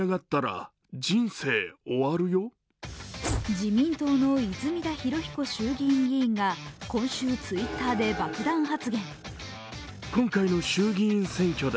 自民党の泉田裕彦衆院議員がＴｗｉｔｔｅｒで爆弾発言。